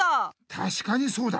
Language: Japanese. たしかにそうだ。